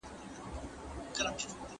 ¬ خر په وهلو نه آس کېږي.